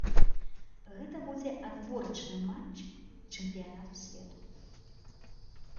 Гэта будзе адборачны матч чэмпіянату свету.